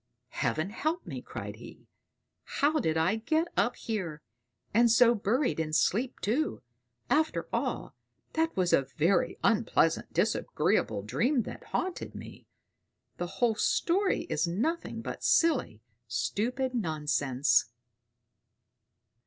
"Heaven help me!" cried he. "How did I get up here and so buried in sleep, too? After all, that was a very unpleasant, disagreeable dream that haunted me! The whole story is nothing but silly, stupid nonsense!"